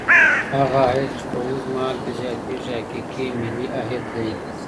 هغه عاید چي په اوږد مهال کي زیاتیږي حقیقي ملي عاید دی.